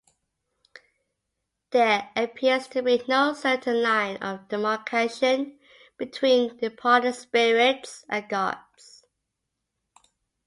There appears to be no certain line of demarcation between departed spirits and gods.